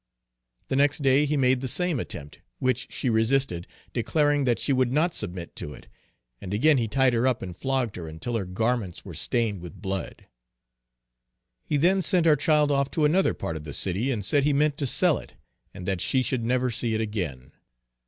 The next day he made the same attempt, which she resisted, declaring that she would not submit to it; and again he tied her up and flogged her until her garments were stained with blood. He then sent our child off to another part of the city, and said he meant to sell it, and that she should never see it again.